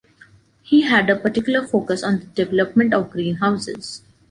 He had a particular focus on the development of greenhouses.